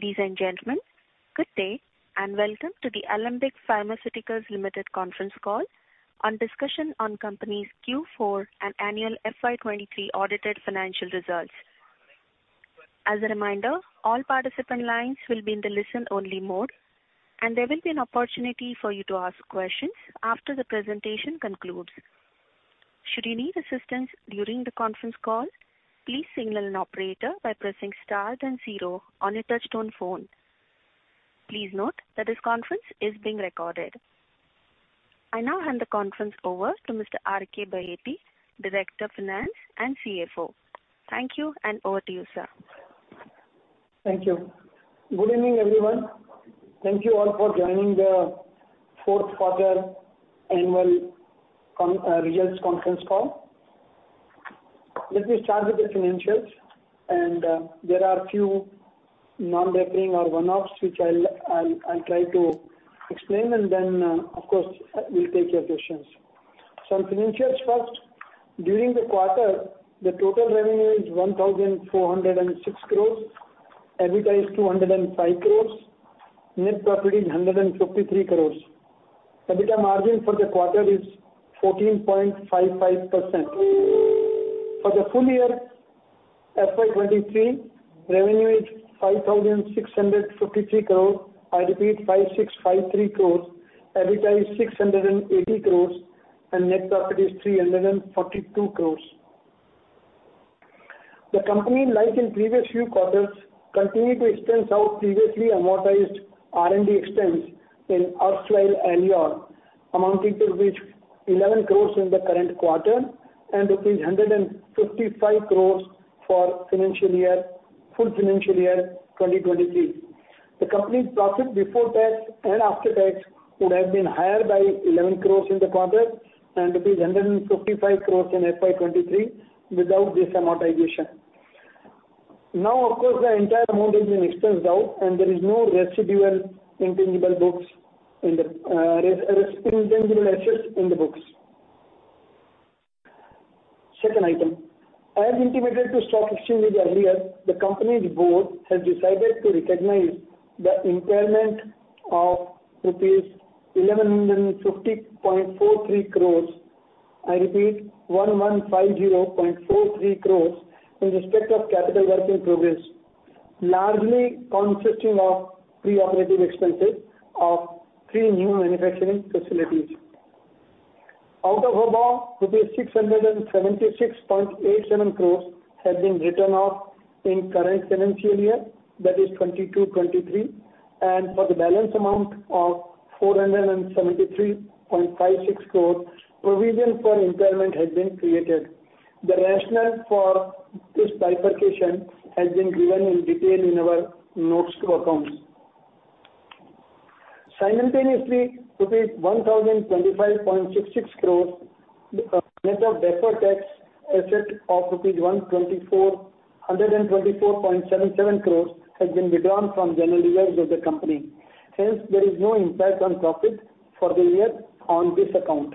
Ladies and gentlemen, good day and welcome to the Alembic Pharmaceuticals Limited conference call on discussion on company's Q4 and annual FY 23 audited financial results. As a reminder, all participant lines will be in the listen-only mode, and there will be an opportunity for you to ask questions after the presentation concludes. Should you need assistance during the conference call, please signal an operator by pressing star 0 on your touchtone phone. Please note that this conference is being recorded. I now hand the conference over to Mr. R.K. Baheti, Director Finance and CFO. Thank you. Over to you, sir. Thank you. Good evening, everyone. Thank you all for joining the fourth quarter annual results conference call. Let me start with the financials and there are a few non-recurring or one-offs, which I'll try to explain and then, of course, we'll take your questions. Some financials first. During the quarter, the total revenue is 1,406 crores. EBITDA is 205 crores. Net profit is 153 crores. EBITDA margin for the quarter is 14.55%. For the full year, FY 2023, revenue is 5,653 crores. I repeat 5,653 crores. EBITDA is 680 crores, and net profit is 342 crores. The company like in previous few quarters, continued to expense out previously amortized R&D expense in erstwhile and Aleor, amounting to 11 crores in the current quarter and rupees 155 crores for financial year, full financial year 2023. The company's profit before tax and after tax would have been higher by 11 crores in the quarter and rupees 155 crores in FY 2023 without this amortization. Of course, the entire amount has been expensed out, and there is no residual intangible books in the intangible assets in the books. Second item, as intimated to stock exchange earlier, the company's board has decided to recognize the impairment of rupees 1,150.43 crores. I repeat 1,150.43 crores in respect of capital work in progress, largely consisting of pre-operative expenses of three new manufacturing facilities. Out of above, rupees 676.87 crores has been written off in current financial year, that is 2022-2023, and for the balance amount of 473.56 crores, provision for impairment has been created. The rationale for this bifurcation has been given in detail in our notes to accounts. Simultaneously, 1,025.66 crores, the net of deferred tax asset of 124.77 crores has been withdrawn from general reserves of the company. Hence, there is no impact on profit for the year on this account.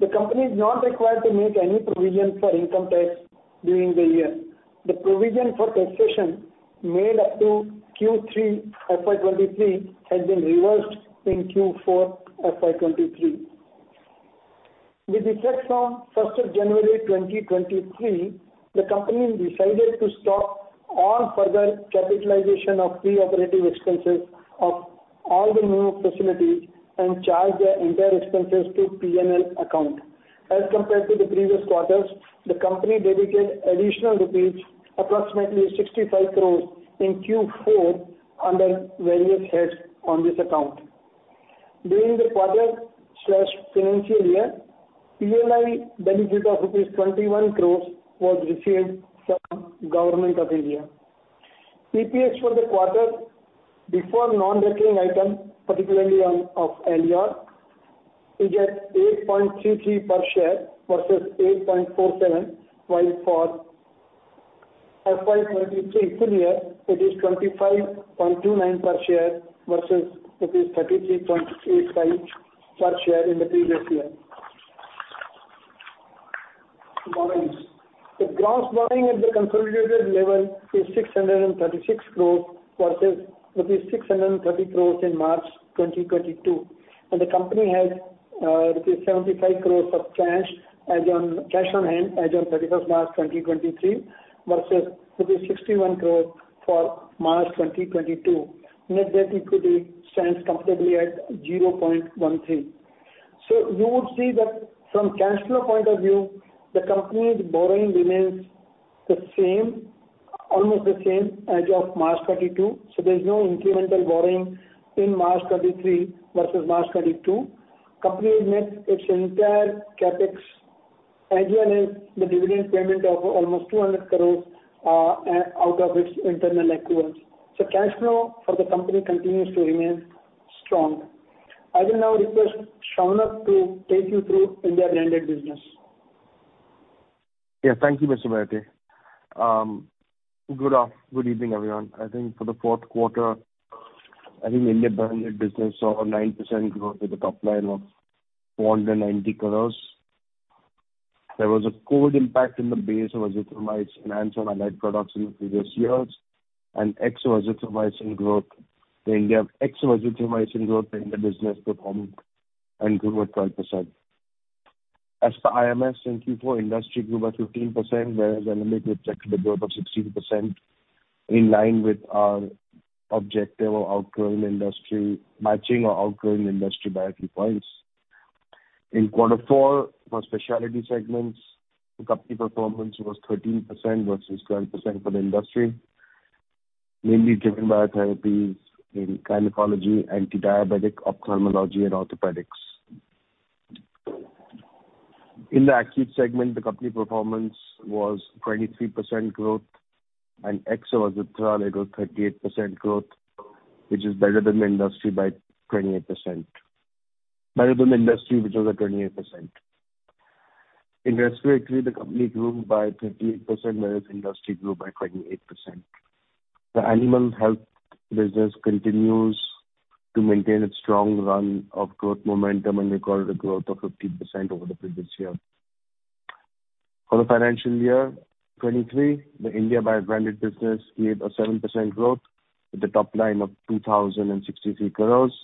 The company is not required to make any provision for income tax during the year. The provision for taxation made up to Q3 FY23 has been reversed in Q4 FY23. With effect from January 1, 2023, the company decided to stop all further capitalization of pre-operative expenses of all the new facilities and charge their entire expenses to P&L account. As compared to the previous quarters, the company dedicated additional INR, approximately 65 crores in Q4 under various heads on this account. During the quarter/financial year, PLI benefit of INR 21 crores was received from Government of India. EPS for the quarter before non-recurring items, particularly on, of Aleor is at 8.23 per share versus 8.47, while for FY23 full year it is 25.29 per share versus rupees 33.85 per share in the previous year. Borrowings. The gross borrowing at the consolidated level is 636 crores versus rupees 630 crores in March 2022. The company has rupees 75 crores of cash on hand as on March 31st, 2023 versus rupees 61 crores for March 2022. Net debt equity stands comfortably at 0.13. You would see that from cash flow point of view, the company's borrowing remains the same, almost the same as of March 2022. There's no incremental borrowing in March 2023 versus March 2022. Company has met its entire CapEx as well as the dividend payment of almost 200 crores out of its internal accruals. Cash flow for the company continues to remain strong. I will now request Shaunak to take you through India Branded business. Yes, thank you, Mr. Baheti. good evening, everyone. I think for the fourth quarter, I think India Branded business saw a 9% growth with the top line of 490 crores. There was a COVID impact in the base of Azithromycin and lead products in the previous years and Ex of Azithromycin growth. The India Ex of Azithromycin growth in the business performed and grew by 12%. As for IMS in Q4, industry grew by 15%, whereas AWACS projected a growth of 16% in line with our objective of outgrowing industry, matching or outgrowing industry by a few points. In quarter four for specialty segments, the company performance was 13% versus 10% for the industry, mainly driven by therapies in gynecology, antidiabetic, ophthalmology and orthopedics. In the acute segment, the company performance was 23% growth and Ex of Azithral at 38% growth, which is better than the industry by 28%. Better than the industry, which was at 28%. In respiratory, the company grew by 38% whereas industry grew by 28%. The animal health business continues to maintain its strong run of growth momentum, we call it a growth of 15% over the previous year. For the financial year 2023, the India biobranded business gave a 7% growth with a top line of 2,063 crores.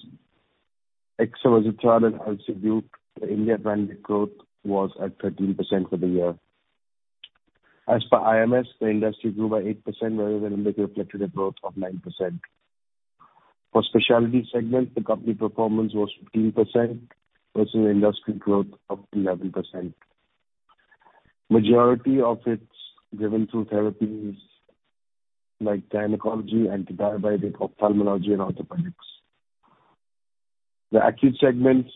Ex of Azithral and also due to India branded growth was at 13% for the year. As for IMS, the industry grew by 8% whereas AWACS reflected a growth of 9%. For specialty segment, the company performance was 15% versus the industry growth of 11%. Majority of it's driven through therapies like gynecology, antidiabetic, ophthalmology and orthopedics. The acute segments,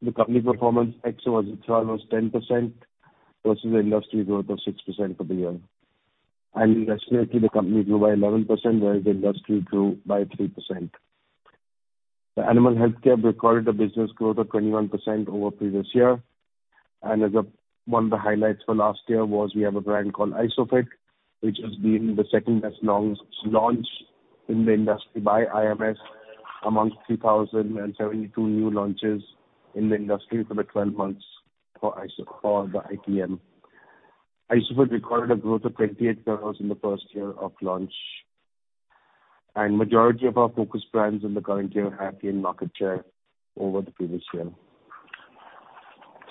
the company performance Azithral was 10% versus the industry growth of 6% for the year. In respiratory, the company grew by 11% whereas the industry grew by 3%. The animal healthcare recorded a business growth of 21% over previous year, and as a one of the highlights for last year was we have a brand called ISOFIT, which has been the second-best launch in the industry by IMS amongst 3,072 new launches in the industry for the 12 months for the IPM. ISOFIT recorded a growth of 28 crores in the first year of launch, majority of our focus brands in the current year have gained market share over the previous year.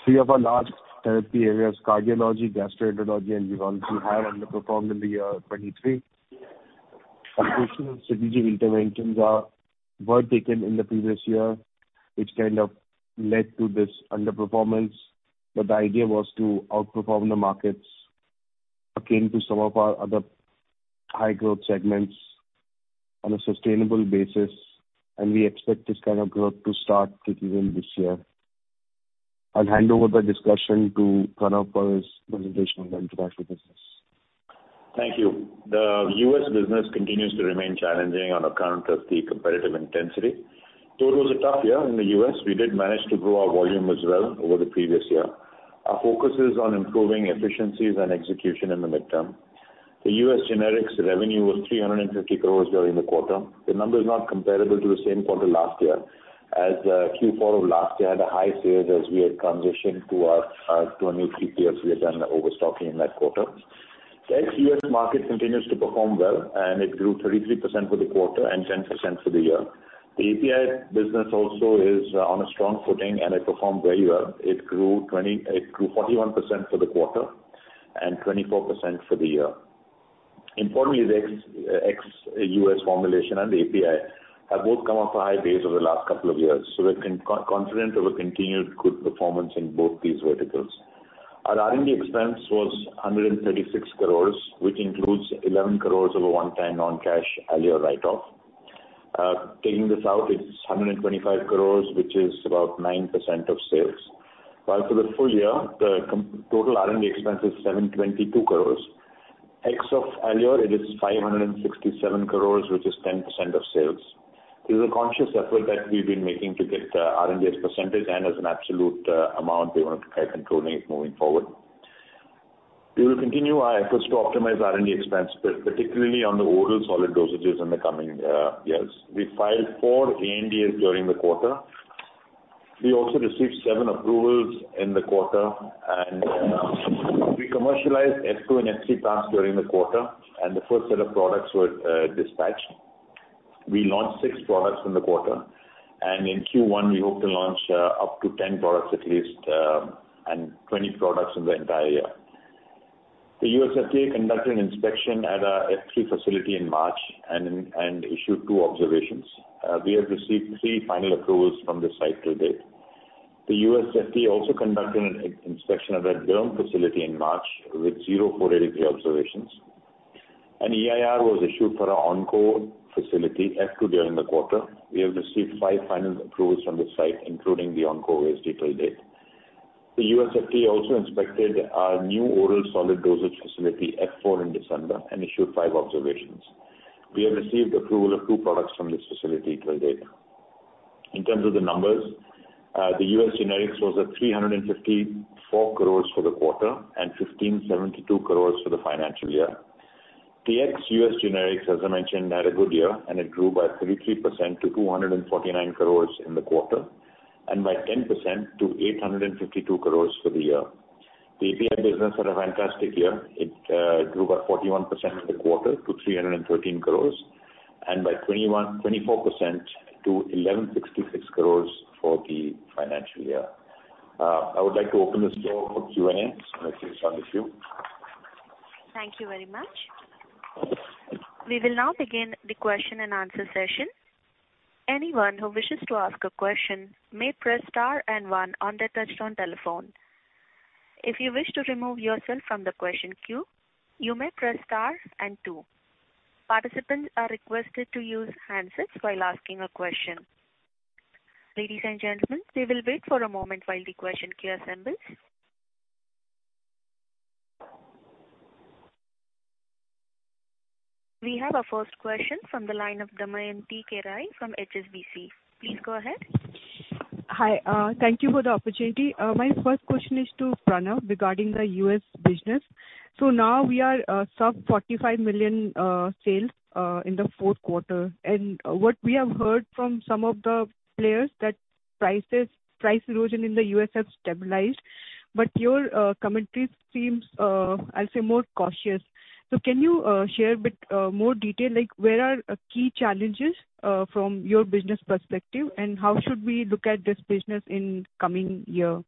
Three of our large therapy areas cardiology, gastroenterology and urology have underperformed in the year 2023. Some strategic interventions were taken in the previous year, which kind of led to this underperformance, but the idea was to outperform the markets akin to some of our other high growth segments on a sustainable basis. We expect this kind of growth to start kicking in this year. I'll hand over the discussion to Pranav for his presentation on the international business. Thank you. The U.S. business continues to remain challenging on account of the competitive intensity. It was a tough year in the U.S.. We did manage to grow our volume as well over the previous year. Our focus is on improving efficiencies and execution in the midterm. The U.S. generics revenue was 350 crores during the quarter. The number is not comparable to the same quarter last year, as Q4 of last year had a high sales as we had transitioned to our 3PL. We had done overstocking in that quarter. The ex-U.S. market continues to perform well, and it grew 33% for the quarter and 10% for the year. The API business also is on a strong footing, and it performed very well. It grew 41% for the quarter and 24% for the year. Importantly, the ex-U.S. formulation and API have both come off a high base over the last couple of years. We're confident of a continued good performance in both these verticals. Our R&D expense was 136 crores, which includes 11 crores of a one-time non-cash Aleor write-off. Taking this out, it's 125 crores, which is about 9% of sales, while for the full year, the total R&D expense is 722 crores. Ex of Aleor, it is 567 crores, which is 10% of sales. This is a conscious effort that we've been making to get the R&D as percentage and as an absolute amount we want to kind of control it moving forward. We will continue our efforts to optimize R&D expense, particularly on the oral solid dosages in the coming years. We filed 4 ANDAs during the quarter. We also received seven approvals in the quarter, and we commercialized F2 and F3 plants during the quarter, and the first set of products were dispatched. We launched six products in the quarter. In Q1, we hope to launch up to 10 products at least, and 20 products in the entire year. The U.S. FDA conducted an inspection at our F3 facility in March and issued two observations. We have received three final approvals from this site to date. The U.S. FDA also conducted an inspection of our Karakhadi facility in March with zero 483 observations. An EIR was issued for our Onco facility F2 during the quarter. We have received five final approvals from this site, including the Onco OSD till date. The U.S. FDA also inspected our new oral solid dosage facility F4 in December and issued five observations. We have received approval of two products from this facility to date. In terms of the numbers, the U.S. generics was at 354 crores for the quarter and 1,572 crores for the financial year. U.S. Generics, as I mentioned, had a good year, and it grew by 33% to 249 crores in the quarter, and by 10% to 852 crores for the year. The API business had a fantastic year. It grew by 41% in the quarter to 313 crores, and by 24% to 1,166 crores for the financial year. I would like to open the floor for Q&A, so let's take some of the queue. Thank you very much. We will now begin the question-and-answer session. Anyone who wishes to ask a question may press star and one on their touchtone telephone. If you wish to remove yourself from the question queue, you may press star and two. Participants are requested to use handsets while asking a question. Ladies and gentlemen, we will wait for a moment while the question queue assembles. We have our first question from the line of Damayanti Kerai from HSBC. Please go ahead. Hi, thank you for the opportunity. My first question is to Pranav regarding the U.S. business. Now we are sub $45 million sales in the fourth quarter. What we have heard from some of the players that prices, price erosion in the U.S. has stabilized, but your commentary seems I'll say more cautious. Can you share a bit more detail like where are key challenges from your business perspective, and how should we look at this business in coming year?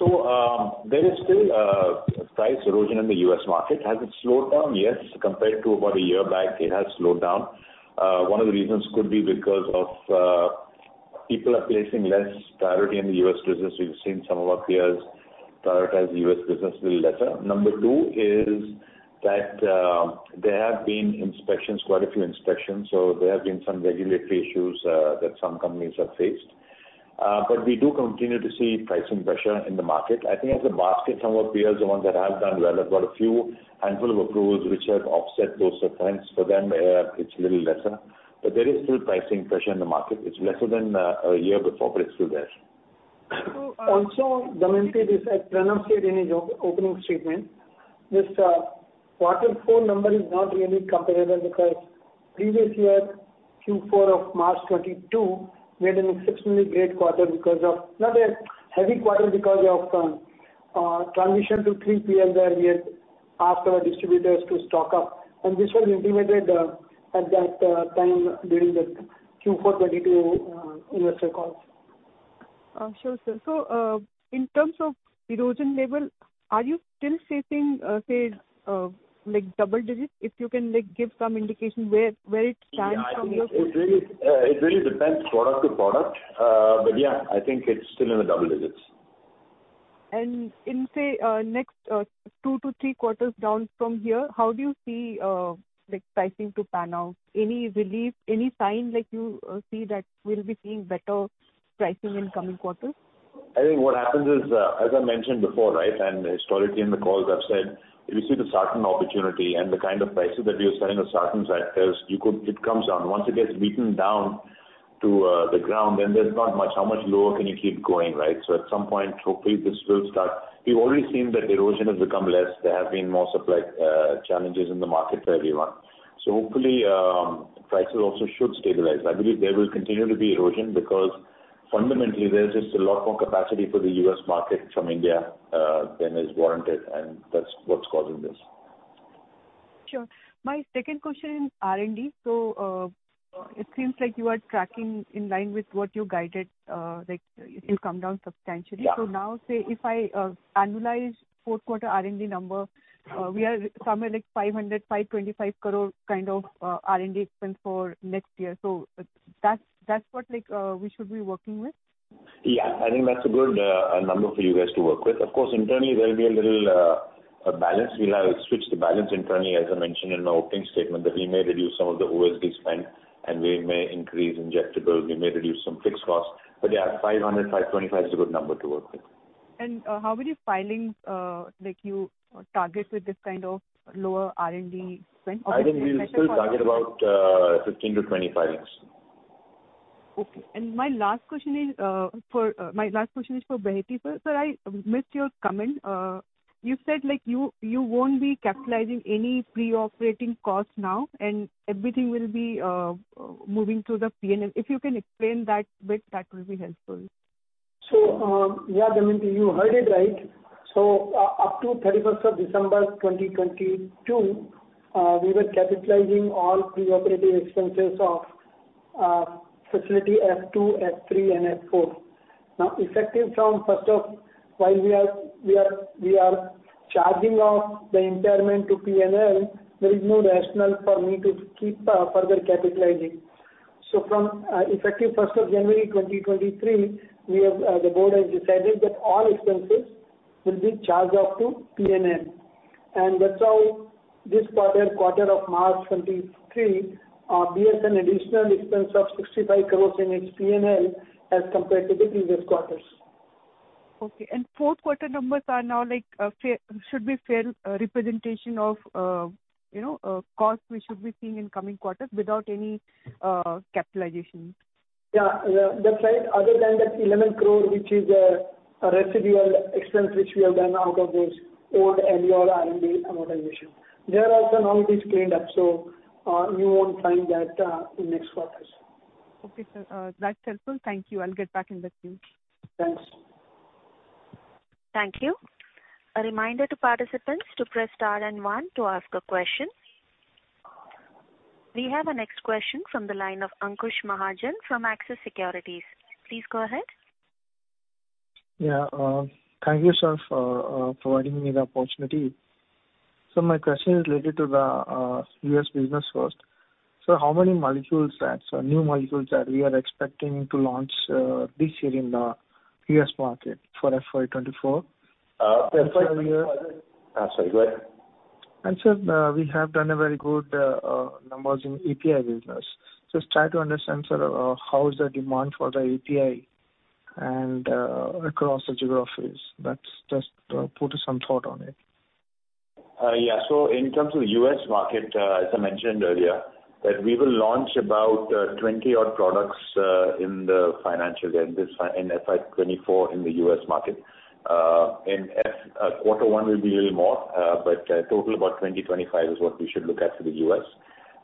There is still price erosion in the U.S. market. Has it slowed down? Yes. Compared to about a year back, it has slowed down. One of the reasons could be because of people are placing less priority in the U.S. business. We've seen some of our peers prioritize U.S. business little lesser. Number two is that there have been inspections, quite a few inspections, there have been some regulatory issues that some companies have faced. We do continue to see pricing pressure in the market. I think as a basket, some of our peers, the ones that have done well, have got a few handful of approvals which have offset those headwinds. For them, it's a little lesser. There is still pricing pressure in the market. It's lesser than a year before, but it's still there. Damayanti, this Pranav said in his opening statement. This quarter four number is not really comparable because previous year Q4 of March 22 made an exceptionally great quarter because of... Not a heavy quarter because of transition to 3PL where we had asked our distributors to stock up, and this was implemented at that time during the Q4 22 investor call. Sure, sir. In terms of erosion level, are you still seeing, say, like double digits, if you can like give some indication where it stands? Yeah, I think it really depends product to product. Yeah, I think it's still in the double digits. In, say, next, two to three quarters down from here, how do you see, like pricing to pan out? Any relief, any sign like you, see that we'll be seeing better pricing in coming quarters? I think what happens is, as I mentioned before, right, and historically in the calls I've said, if you see the Sartans opportunity and the kind of prices that we are selling the Sartans at is it comes down. Once it gets beaten down to the ground, then there's not much. How much lower can you keep going, right? At some point, hopefully this will start. We've already seen that erosion has become less. There have been more supply challenges in the market for everyone. Hopefully, prices also should stabilize. I believe there will continue to be erosion because fundamentally there's just a lot more capacity for the U.S. market from India than is warranted, and that's what's causing this. Sure. My second question is R&D. It seems like you are tracking in line with what you guided, like it will come down substantially. Yeah. Say if I annualize fourth quarter R&D number, we are somewhere like 500 crore-525 crore kind of R&D expense for next year. That's what like we should be working with? Yeah. I think that's a good number for you guys to work with. Of course, internally, there'll be a little balance. We'll have switch the balance internally, as I mentioned in my opening statement, that we may reduce some of the OSD spend and we may increase injectables, we may reduce some fixed costs. Yeah, 500 crore-525 crore is a good number to work with. How many filings, like you target with this kind of lower R&D spend? I think we will still target about, 15-20 filings. Okay. My last question is for Baheti. Sir, I missed your comment. You said like you won't be capitalizing any pre-operating costs now, and everything will be moving to the P&L. If you can explain that bit, that will be helpful. Yeah, Damayanti, you heard it right. Up to December 31st, 2022, we were capitalizing all pre-operative expenses of facility F2, F3, and F4. Now, effective from first of. While we are charging off the impairment to P&L, there is no rationale for me to keep further capitalizing. From effective January 1st, 2023, we have the board has decided that all expenses will be charged off to P&L. That's how this quarter of March 2023, bears an additional expense of 65 crores in its P&L as compared to the previous quarters. Okay. fourth quarter numbers are now like, fair, should be fair, representation of, you know, costs we should be seeing in coming quarters without any capitalization? Yeah, yeah, that's right. Other than that 11 crore, which is a residual expense which we have done out of those old annual R&D amortization. There also now it is cleaned up, so you won't find that in next quarters. Okay, sir. That's helpful. Thank you. I'll get back in the queue. Thanks. Thank you. A reminder to participants to press star and one to ask a question. We have our next question from the line of Ankush Mahajan from Axis Securities. Please go ahead. Thank you, sir, for providing me the opportunity. My question is related to the U.S. business first. How many new molecules that we are expecting to launch this year in the U.S. market for FY 2024? that's- sir, we. sorry, go ahead. Sir, we have done a very good numbers in API business. Just try to understand, sir, how is the demand for the API and across the geographies. That's just put some thought on it. Yeah. In terms of U.S. market, as I mentioned earlier, that we will launch about 20 odd products in the financial year, in FY 2024 in the U.S. market. Quarter one will be a little more, but total about 20-25 is what we should look at for the U.S.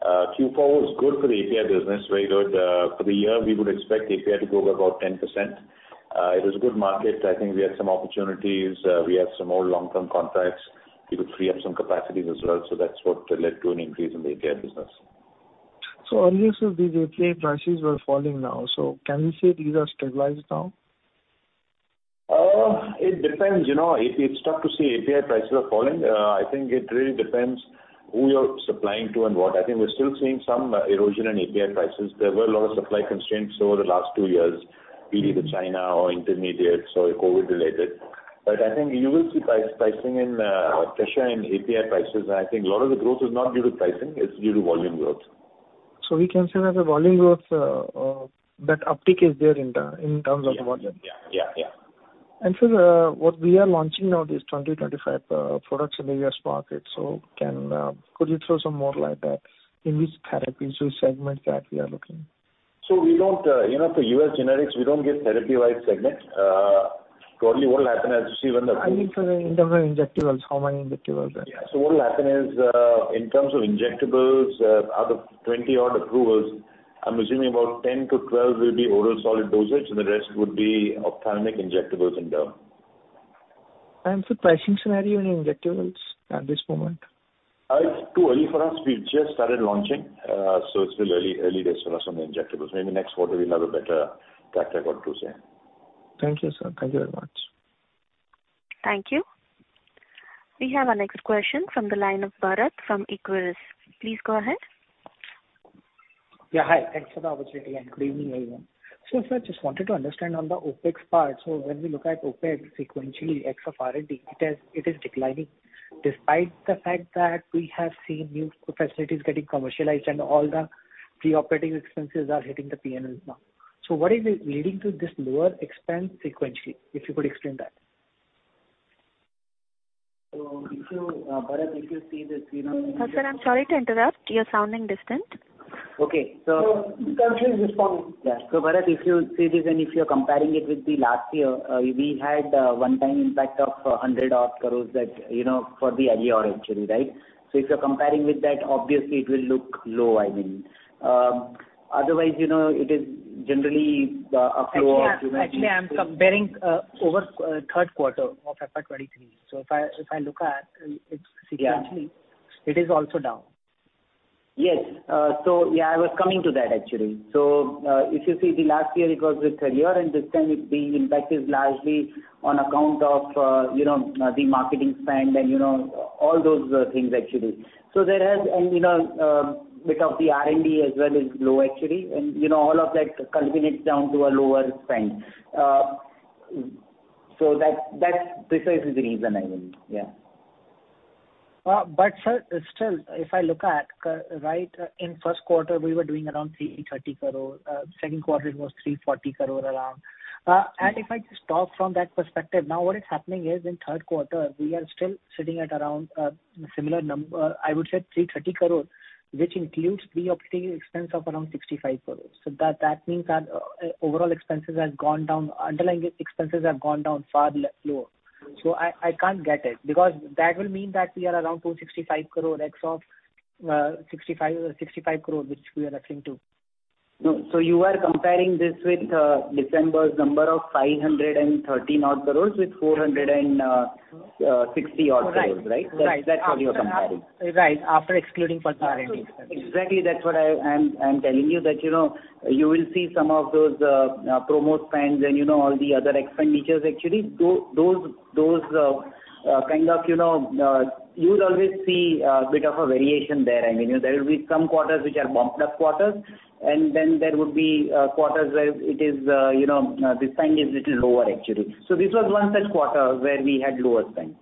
Q4 was good for the API business, very good. For the year, we would expect API to grow about 10%. It was a good market. I think we had some opportunities. We have some more long-term contracts. We could free up some capacities as well. That's what led to an increase in the API business. Earlier, sir, these API prices were falling now. Can we say these are stabilized now? It depends. You know, it's tough to say API prices are falling. I think it really depends who you're supplying to and what. I think we're still seeing some erosion in API prices. There were a lot of supply constraints over the last 2 years, be it with China or intermediates or COVID-related. I think you will see pricing pressure in API prices. I think a lot of the growth is not due to pricing, it's due to volume growth. we can say that the volume growth, that uptick is there in the, in terms of volume. Yeah. Yeah. Yeah. Yeah. Sir, what we are launching now these 20, 25 products in the U.S. market, could you throw some more light at in which therapies or segment that we are looking? We don't, you know, for US generics, we don't give therapy-wide segments. Probably what will happen as you see. I mean, in terms of injectables, how many injectables are there? Yeah. So what will happen is, in terms of injectables, out of 20 odd approvals, I'm assuming about 10-12 will be oral solid dosage and the rest would be ophthalmic injectables and derm. Sir, pricing scenario in injectables at this moment? It's too early for us. We've just started launching, so it's still early days for us on the injectables. Maybe next quarter we'll have a better track record to say. Thank you, sir. Thank you very much. Thank you. We have our next question from the line of Bharat from Equirus. Please go ahead. Yeah, hi. Thanks for the opportunity and good evening, everyone. Sir, just wanted to understand on the Opex part. When we look at Opex sequentially ex of R&D, it is declining despite the fact that we have seen new facilities getting commercialized and all the pre-operating expenses are hitting the P&Ls now. What is it leading to this lower expense sequentially, if you could explain that? If you, Bharat, if you see the screen. Sir, I'm sorry to interrupt. You're sounding distant. Okay. So just one minute. Yeah. Bharat, if you see this and if you're comparing it with the last year, we had a one-time impact of 100 odd crores that, you know, for the earlier actually, right? If you're comparing with that, obviously it will look low, I mean. Otherwise, you know, it is generally. Actually, I'm comparing, over, third quarter of FY 2023. If I look at, it sequentially. Yeah it is also down. Yes. I was coming to that actually. If you see the last year it was with career and this time it's being impacted largely on account of, you know, the marketing spend and, you know, all those things actually. There has and, you know, bit of the R&D as well is low actually and, you know, all of that culminates down to a lower spend. That's, that's precisely the reason I mean. Yeah. Sir, still if I look at, right, in first quarter we were doing around 330 crore. Second quarter it was 340 crore around. If I just talk from that perspective, now what is happening is in third quarter we are still sitting at around similar, I would say 330 crore, which includes pre-operating expense of around 65 crore. That means our overall expenses have gone down, underlying expenses have gone down far lower. I can't get it because that will mean that we are around 265 crore ex of 65 crore which we are referring to. No. You are comparing this with December's number of 530 odd crores with 460 odd crores, right? Right. Right. That's what you're comparing. Right. After excluding personal expenses. Exactly. That's what I'm telling you that, you know, you will see some of those promote spends and, you know, all the other expenditures actually those kind of, you know, you'll always see a bit of a variation there. I mean, you know, there will be some quarters which are bumped up quarters and then there would be quarters where it is, you know, the spend is little lower actually. This was one such quarter where we had lower spend.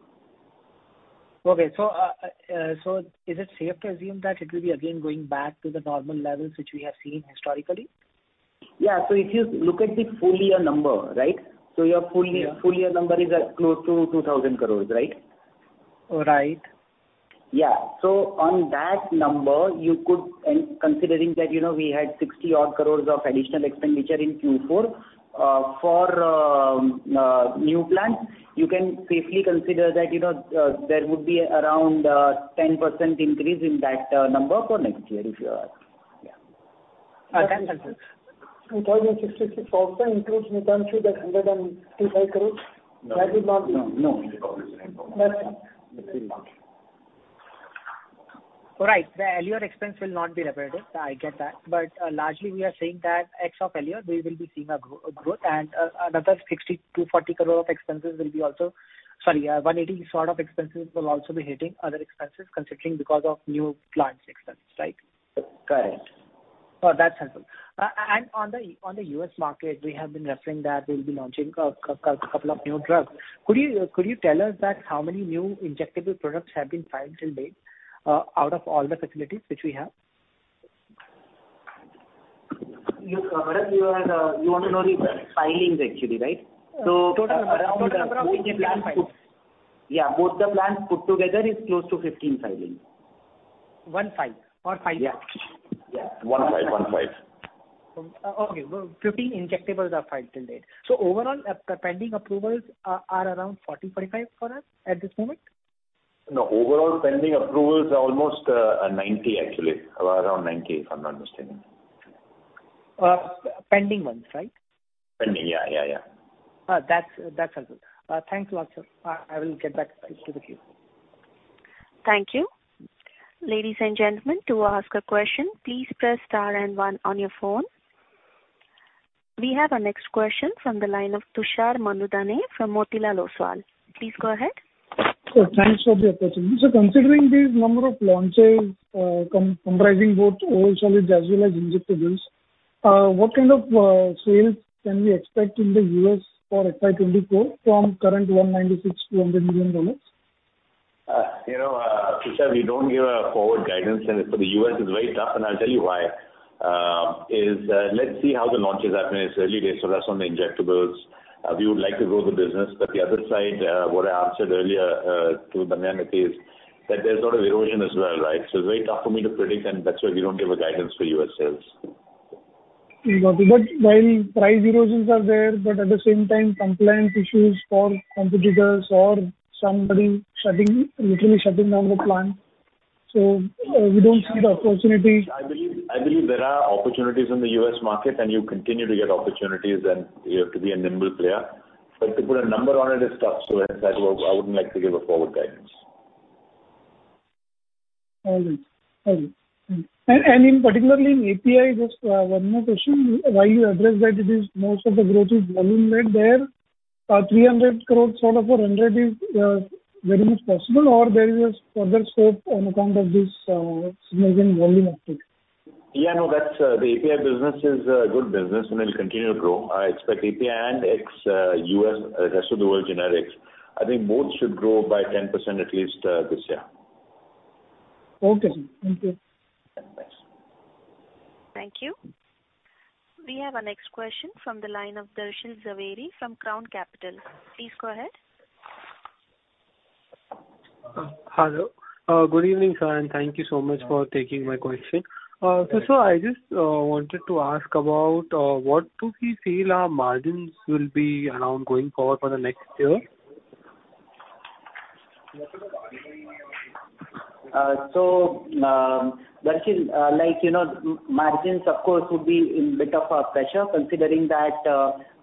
Okay. Is it safe to assume that it will be again going back to the normal levels which we have seen historically? Yeah. If you look at the full year number, right? Yeah. Full year number is at close to 2,000 crores, right? Right. Yeah. On that number, you could, and considering that, you know, we had 60 odd crores of additional expenditure in Q4, for new plants, you can safely consider that, you know, there would be around 10% increase in that number for next year if you ask. Yeah. Okay. 2066 also includes new plants with INR 155 crores? No. That is not. No, no. That's it. It will not. Right. The Aleor expense will not be repetitive. I get that. Largely we are saying that Ex of Aleor, we will be seeing a growth and Sorry, 180 sort of expenses will also be hitting other expenses considering because of new plants expense, right? Correct. Oh, that's helpful. And on the U.S. market, we have been referring that we'll be launching a couple of new drugs. Could you tell us that how many new injectable products have been filed till date out of all the facilities which we have? You, Bharat, you are, you wanna know the filings actually, right? Total number of injectables filed. Yeah, both the plants put together is close to 15 filings. One file or file? Yeah. One file. Okay. 15 injectables are filed till date. Overall, pending approvals are around 40, 45 for us at this moment? No, overall pending approvals are almost 90 actually. Around 90, if I'm not mistaken. pending ones, right? Pending, yeah, yeah. That's, that's all good. Thanks a lot, sir. I will get back to the queue. Thank you. Ladies and gentlemen, to ask a question, please press star and 1 on your phone. We have our next question from the line of Tushar Manudhane from Motilal Oswal. Please go ahead. Sure. Thanks for the opportunity. Considering the number of launches, comprising both oral solids as well as injectables, what kind of sales can we expect in the U.S. for FY 2024 from current $196 million to $100 million? You know, Tushar, we don't give a forward guidance, and for the U.S. it's very tough, and I'll tell you why. Let's see how the launches happen. It's early days for us on the injectables. We would like to grow the business. The other side, what I answered earlier, to Damayanti, is that there's a lot of erosion as well, right? It's very tough for me to predict, and that's why we don't give a guidance for U.S. sales. Okay. While price erosions are there, but at the same time compliance issues for competitors or somebody shutting, literally shutting down the plant. We don't see the opportunity. I believe there are opportunities in the U.S. market and you continue to get opportunities and you have to be a nimble player. To put a number on it is tough. That's why I wouldn't like to give a forward guidance. All good. All good. In particularly in API, just one more question. While you address that it is most of the growth is volume led there, 300 crores sort of or 100 is very much possible or there is further scope on account of this significant volume uptick? Yeah, no, that's the API business is a good business and it'll continue to grow. I expect API and ex U.S. rest of the world generics. I think both should grow by 10% at least this year. Okay, sir. Thank you. Thanks. Thank you. We have our next question from the line of Darshil Jhaveri from Crown Capital. Please go ahead. Hello. Good evening, sir, thank you so much for taking my question. Sir, I just wanted to ask about what do we feel our margins will be around going forward for the next year? Darshil, like, you know, margins of course would be in bit of a pressure considering that,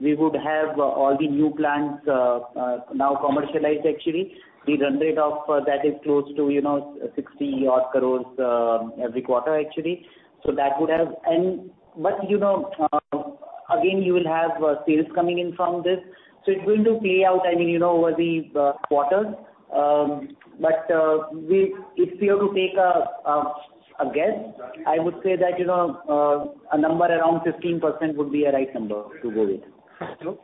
we would have all the new plants now commercialized actually. The run rate of that is close to, you know, 60 odd crores every quarter actually. You know, again, you will have sales coming in from this. It will do pay out, I mean, you know, over the quarters. If we have to take a guess, I would say that, you know, a number around 15% would be a right number to go with.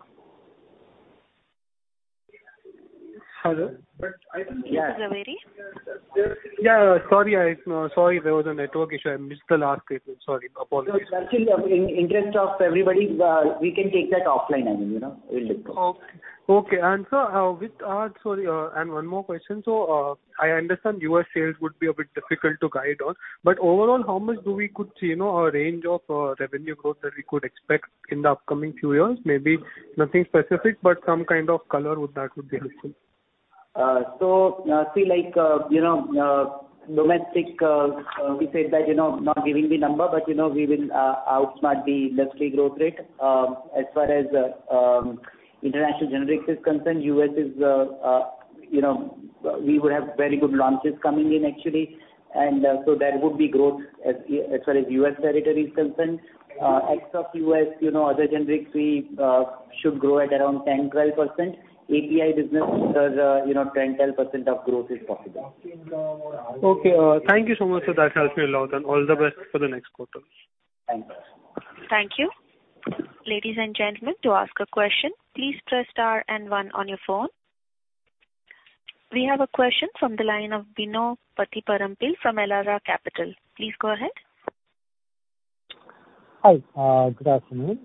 Hello? Hello? Mr. Jhaveri? Yeah. Sorry, there was a network issue. I missed the last bit. Sorry. Apologies. Darshil, in interest of everybody, we can take that offline, I mean, you know. We'll look at it. Okay. Sir, with, sorry, and one more question. I understand U.S. sales would be a bit difficult to guide on, but overall, how much do we could, you know, a range of revenue growth that we could expect in the upcoming few years? Maybe nothing specific, but some kind of color would be helpful. See, like, you know, domestic, we said that, you know, not giving the number, but you know, we will outsmart the industry growth rate. As far as international generics is concerned, U.S. is, you know, we would have very good launches coming in actually. And there would be growth as far as U.S. territory is concerned. Ex of U.S., you know, other generics, we should grow at around 10%-12%. API business is, you know, 10%-12% of growth is possible. Okay. Thank you so much, sir. That helped me a lot. All the best for the next quarter. Thank you. Thank you. Ladies and gentlemen, to ask a question, please press star and one on your phone. We have a question from the line of Bino Pathiparampil from Elara Capital. Please go ahead. Hi, good afternoon.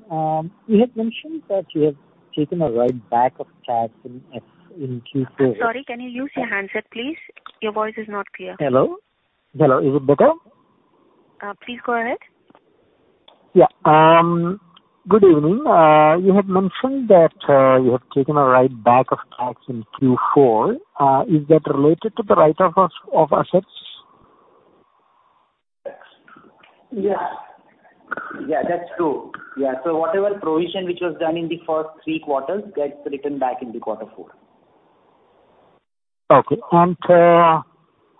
You had mentioned that you have taken a write back of tax in Q4. I'm sorry, can you use your handset, please? Your voice is not clear. Hello? Hello, is it better? Please go ahead. Yeah. Good evening. You had mentioned that you have taken a write back of tax in Q4. Is that related to the write-off of assets? Yes. Yeah, that's true. Yeah. Whatever provision which was done in the first three quarters gets written back in the quarter four. Okay.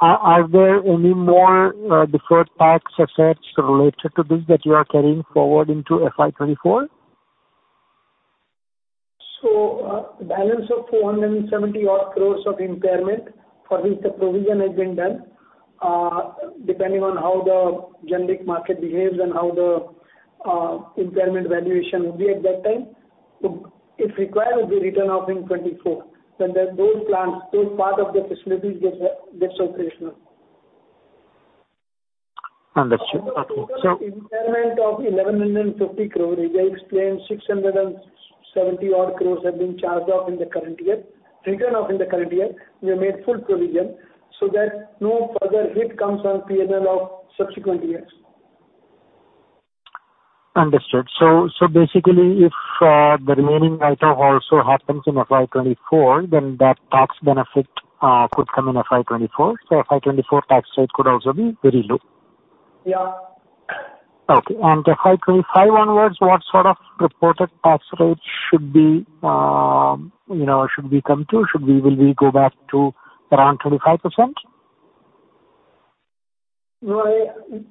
Are there any more deferred tax assets related to this that you are carrying forward into FY 24? Balance of 470 odd crores of impairment for which the provision has been done, depending on how the generic market behaves and how the impairment valuation would be at that time. If required, will be written off in 2024, when those plants, those part of the facilities gets operational. Understood. Okay. Impairment of INR 1,150 crore, as I explained, INR 670 odd crore have been charged off in the current year, written off in the current year. We have made full provision so that no further hit comes on PNL of subsequent years. Understood. basically if the remaining write-off also happens in FY 24, then that tax benefit could come in FY 24. FY 24 tax rate could also be very low. Yeah. Okay. FY 2025 onwards, what sort of reported tax rate should be, you know, should we come to? Will we go back to around 25%? No,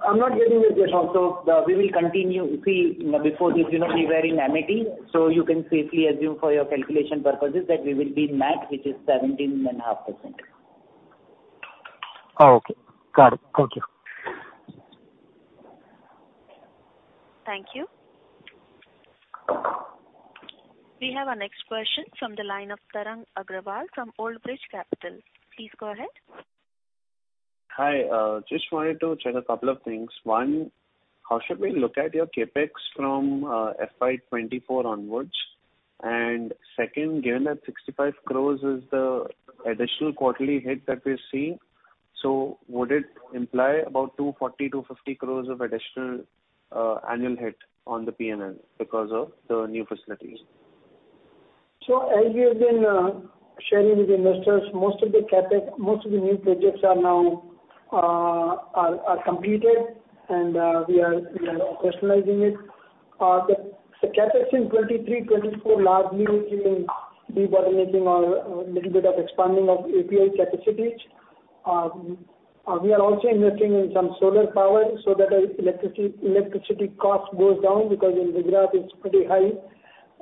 I'm not giving you that also. We will continue. See, before this you know we were in CWIP, so you can safely assume for your calculation purposes that we will be in MAT, which is 17.5 %. Oh, okay. Got it. Thank you. Thank you. We have our next question from the line of Tarang Agrawal from Old Bridge Capital. Please go ahead. Hi. Just wanted to check a couple of things. One, how should we look at your CapEx from FY 2024 onwards? Second, given that 65 crores is the additional quarterly hit that we're seeing, would it imply about 240 crore-250 crore of additional annual hit on the PNL because of the new facilities? As we have been sharing with investors, most of the CapEx, most of the new projects are now completed and we are operationalizing it. The CapEx in 2023-2024 largely will be debottlenecking or a little bit of expanding of API capacities. We are also investing in some solar power so that electricity cost goes down because in Vadodara it's pretty high.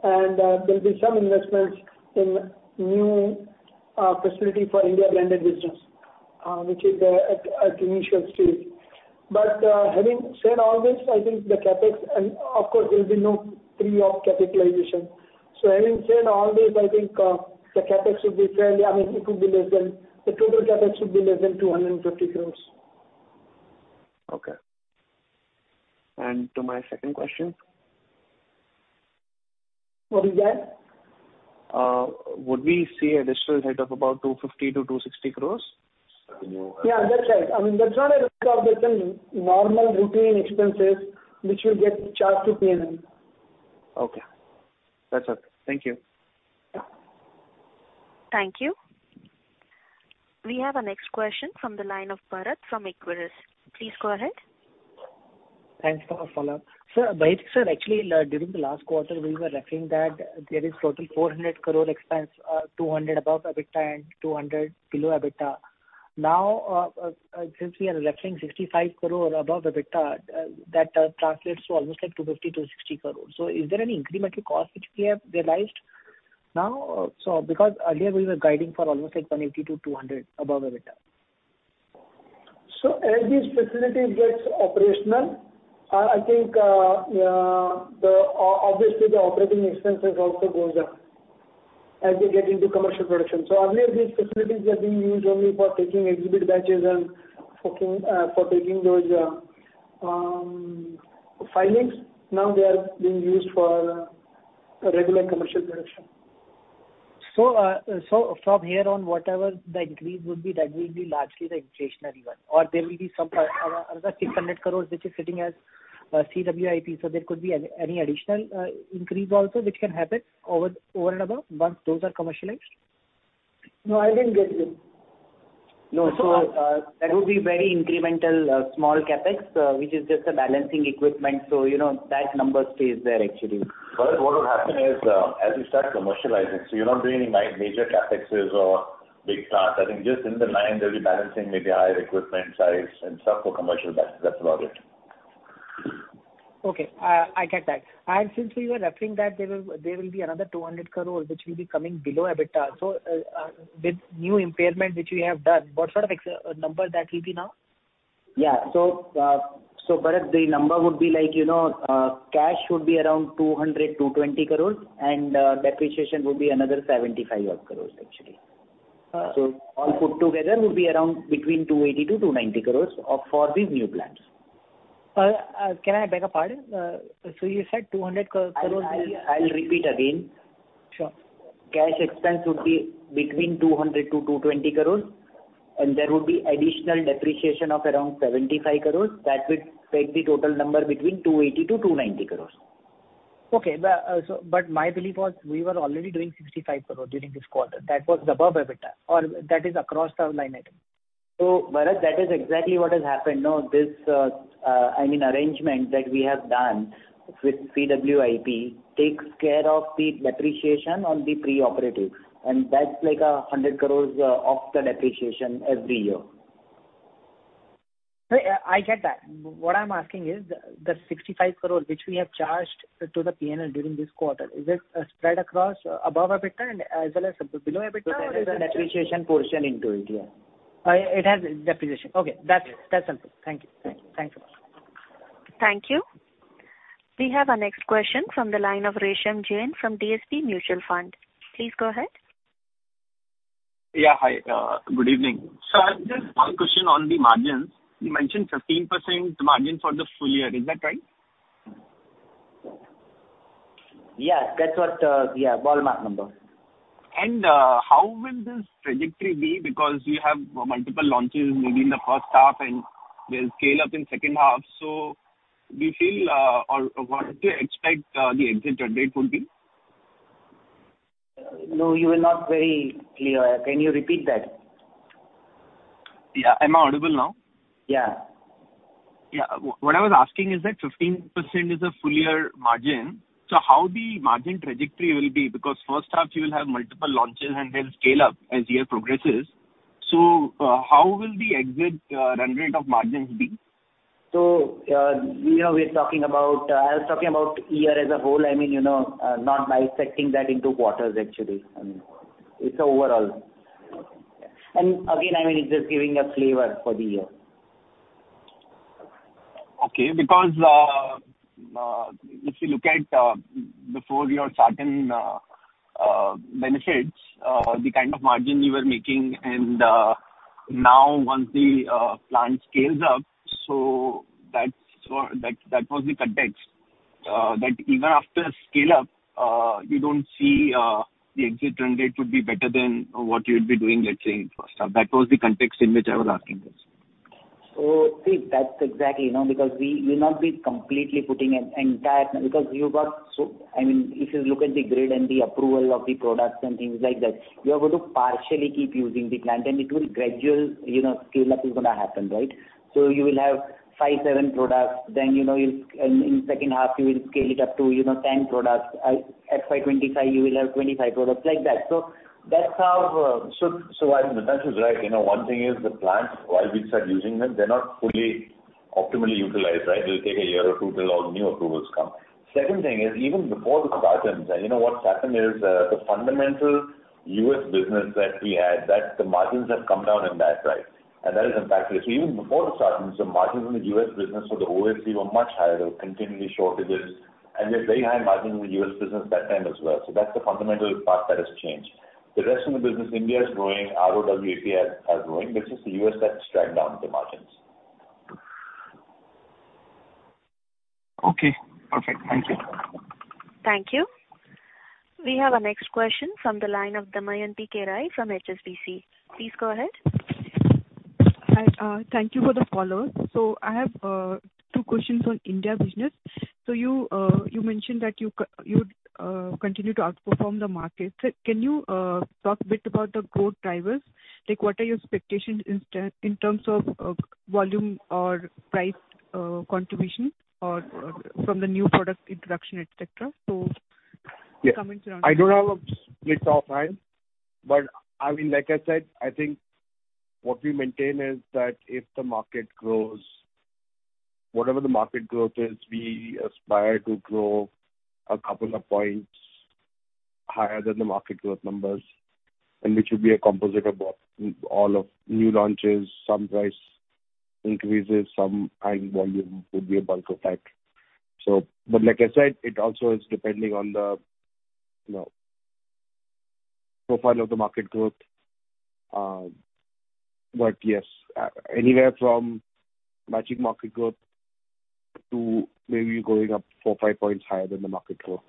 There'll be some investments in new facility for India branded business, which is at initial stage. Having said all this, I think the CapEx and of course there will be no pre-op capitalization. Having said all this, I think the CapEx should be fairly, I mean the total CapEx should be less than 250 crores. Okay. To my second question. What is that? Would we see a digital hit of about 250 crores-260 crores? Yeah, that's right. I mean, that's not a risk of business. Normal routine expenses which will get charged to P&L. Okay. That's okay. Thank you. Thank you. We have our next question from the line of Bharat from Equirus. Please go ahead. Thanks for the follow-up. Sir, Baheti sir, actually, during the last quarter, we were referring that there is total 400 crore expense, 200 above EBITDA and 200 below EBITDA. Since we are referring 65 crore above EBITDA, that translates to almost like 250 crore-260 crore. Is there any incremental cost which we have realized now? Because earlier we were guiding for almost like 180 crore-200 crore above EBITDA. As these facilities gets operational, I think obviously the operating expenses also goes up as they get into commercial production. Earlier these facilities were being used only for taking exhibit batches and for keen for taking those filings. Now they are being used for regular commercial production. From here on, whatever the increase would be, that will be largely the inflationary one or there will be some another 600 crores which is sitting as CWIP, so there could be any additional increase also which can happen over and above once those are commercialized. No, I didn't get you. No. That would be very incremental, small CapEx, which is just a balancing equipment. You know, that number stays there actually. What will happen is, as you start commercializing, you're not doing any major CapExs or big. I think just in the line there'll be balancing maybe IR equipment, size and stuff for commercial batch. That's about it. Okay. I get that. Since we were referring that there will be another 200 crore which will be coming below EBITDA. With new impairment which we have done, what sort of number that will be now? Bharat, the number would be like, you know, cash would be around 200 crores-20 crores and depreciation would be another 75 odd crores actually. All put together would be around between 280 crores-290 crores for these new plants. Can I beg your pardon? You said 200 crores will be- I will repeat again. Sure. Cash expense would be between 200 crore-220 crore, there would be additional depreciation of around 75 crore. That would make the total number between 280 crore-290 crore. Okay. My belief was we were already doing 65 crore during this quarter. That was above EBITDA, or that is across the line item? Bharat, that is exactly what has happened. No, this, I mean arrangement that we have done with CWIP takes care of the depreciation on the pre-operative, and that's like 100 crores of the depreciation every year. No, I get that. What I'm asking is the 65 crore which we have charged to the P&L during this quarter, is it spread across above EBITDA and as well as below EBITDA? There is a depreciation portion into it, yeah. It has depreciation. Okay. That's, that's helpful. Thank you. Thank you. Thanks a lot. Thank you. We have our next question from the line of Resham Jain from DSP Mutual Fund. Please go ahead. Yeah, hi, good evening. I have just one question on the margins. You mentioned 15% margin for the full year. Is that right? Yes, that's what, yeah, ballpark number. How will this trajectory be? Because you have multiple launches maybe in the first half, and they'll scale up in second half. Do you feel, or what do you expect, the exit run rate would be? No, you were not very clear. Can you repeat that? Yeah. Am I audible now? Yeah. Yeah. What I was asking is that 15% is a full year margin, so how the margin trajectory will be? Because first half you will have multiple launches and then scale up as year progresses. How will the exit run rate of margins be? You know, we are talking about, I was talking about year as a whole, I mean, you know, not bisecting that into quarters, actually. I mean, it's overall. Okay. Again, I mean, it's just giving a flavor for the year. Okay. If you look at, before your certain benefits, the kind of margin you were making and, now once the plant scales up, that was the context. Even after scale up, you don't see the exit run rate would be better than what you'd be doing, let's say in first half. That was the context in which I was asking this. See, that's exactly, you know, because we will not be completely putting. I mean, if you look at the grid and the approval of the products and things like that, you are going to partially keep using the plant and it will gradual, you know, scale up is gonna happen, right? You will have five, seven products then, you know, In second half you will scale it up to, you know, 10 products. At FY 25 you will have 25 products, like that. That's how. I mean, Baheti is right. You know, one thing is the plants, while we start using them, they're not fully optimally utilized, right? It'll take a year or two till all new approvals come. Second thing is, even before the Spartans, and you know what happened is, the fundamental U.S. business that we had, that the margins have come down in that, right? That is impacted. Even before the Spartans, the margins in the U.S. business for the OSD were much higher. There were continually shortages, and there's very high margin in the U.S. business that time as well. That's the fundamental part that has changed. The rest of the business, India is growing, ROW, API are growing. This is the U.S. that dragged down the margins. Okay. Perfect. Thank you. Thank you. We have our next question from the line of Damayanti Kerai from HSBC. Please go ahead. Hi. Thank you for the call. I have two questions on India business. You mentioned that you'd continue to outperform the market. Can you talk a bit about the core drivers? Like, what are your expectations in terms of volume or price contribution or from the new product introduction, et cetera? Comments around. Yeah. I don't have a split offhand, but I mean, like I said, I think what we maintain is that if the market grows, whatever the market growth is, we aspire to grow a couple of points higher than the market growth numbers. Which would be a composite of all of new launches, some price increases, some high volume would be a bulk effect. But like I said, it also is depending on the, you know, profile of the market growth. Yes, anywhere from matching market growth to maybe going up four, five points higher than the market growth.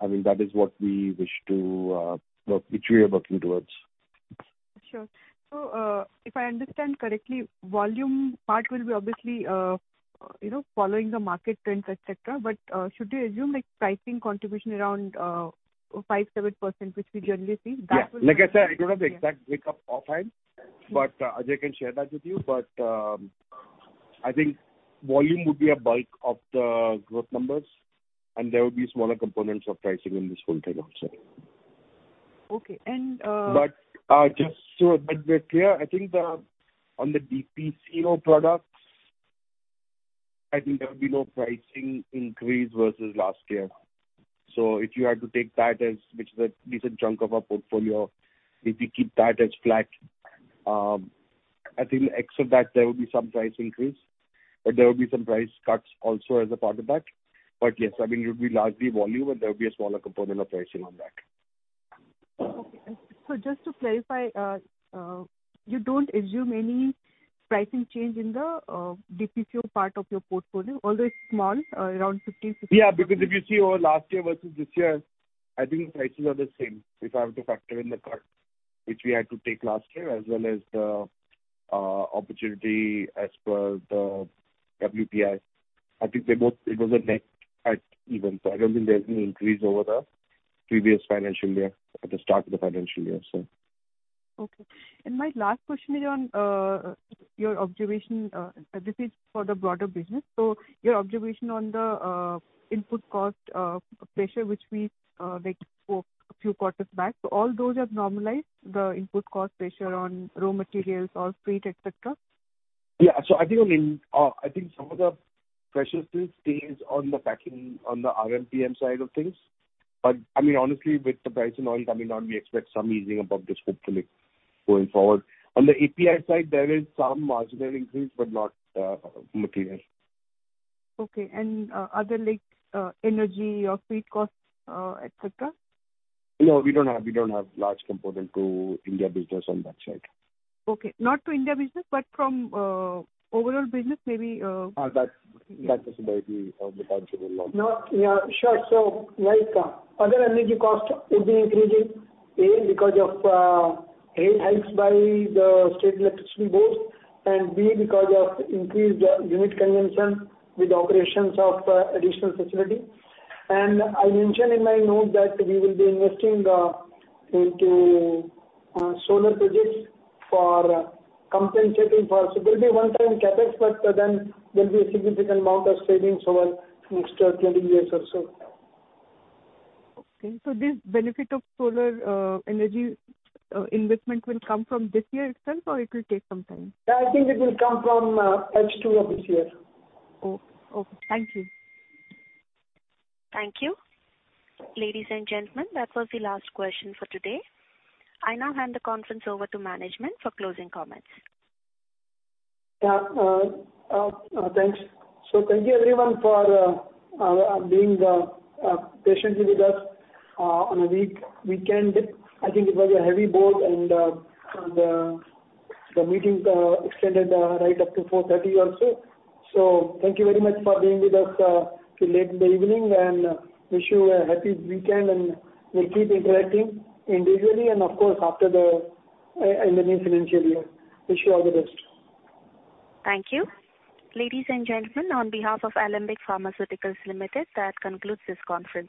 I mean, that is what we wish to work, which we are working towards. Sure. If I understand correctly, volume part will be obviously, you know, following the market trends, et cetera. Should we assume like pricing contribution around 5%-7%, which we generally see? That will be- Yeah. Like I said, I don't have the exact breakup offhand, but Ajay can share that with you. I think volume would be a bulk of the growth numbers, and there will be smaller components of pricing in this whole thing also. Okay. Just so that we're clear, I think the, on the DPC, you know, products, I think there will be no pricing increase versus last year. If you had to take that as, which is a decent chunk of our portfolio, if we keep that as flat. I think except that there will be some price increase, but there will be some price cuts also as a part of that. Yes, I mean, it will be largely volume, and there will be a smaller component of pricing on that. Okay. Just to clarify, you don't assume any pricing change in the DPCO part of your portfolio, although it's small, around 15%-16%. Yeah. Because if you see over last year versus this year, I think the prices are the same, if I have to factor in the cut which we had to take last year as well as the opportunity as per the WPI. I think they both... It was a net at even. I don't think there's any increase over the previous financial year at the start of the financial year. Okay. My last question is on your observation, this is for the broader business. Your observation on the input cost pressure which we witnessed for a few quarters back. All those have normalized the input cost pressure on raw materials or freight, et cetera? I think, I mean, I think some of the pressure still stays on the packing, on the RMPM side of things. I mean, honestly, with the price in oil coming down, we expect some easing of this hopefully going forward. On the API side, there is some marginal increase but not material. Okay. Other links, energy or freight costs, et cetera? No, we don't have large component to India business on that side. Okay. Not to India business, but from overall business, maybe. That, that visibility, Mintanshu will know. No. Yeah, sure. Other energy cost is being increasing, A, because of rate hikes by the State Electricity Board, and B, because of increased unit consumption with operations of additional facility. I mentioned in my note that we will be investing into solar projects for compensating for... It will be one-time CapEx, there'll be a significant amount of savings over next 20 years or so. Okay. This benefit of solar energy investment will come from this year itself, or it will take some time? I think it will come from H2 of this year. Oh. Okay. Thank you. Thank you. Ladies and gentlemen, that was the last question for today. I now hand the conference over to management for closing comments. Yeah. Thanks. Thank you everyone for being patiently with us on a week-weekend. I think it was a heavy board and the meeting extended right up to 4:30 P.M. or so. Thank you very much for being with us till late in the evening, and wish you a happy weekend and we'll keep interacting individually and of course after the... in the new financial year. Wish you all the best. Thank you. Ladies and gentlemen, on behalf of Alembic Pharmaceuticals Limited, that concludes this conference.